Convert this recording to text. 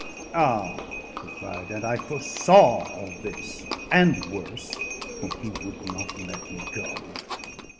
Ah!" he cried, "and I foresaw all this, and worse, when he would not let me go."